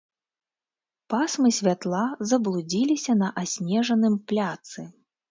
Пасмы святла заблудзіліся на аснежаным пляцы.